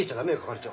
係長。